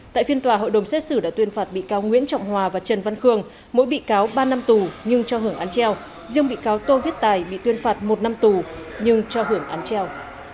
tại phiên tòa hội đồng xét xử đã tuyên phạt bị cáo nguyễn trọng hòa và trần văn khương mỗi bị cáo ba năm tù nhưng cho hưởng án treo